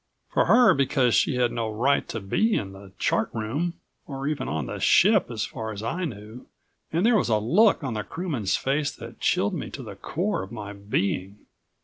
For her because she had no right to be in the Chart Room, or even on the ship, as far as I knew, and there was a look on the crewman's face that chilled me to the core of my being.